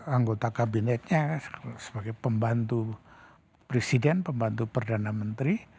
anggota kabinetnya sebagai pembantu presiden pembantu perdana menteri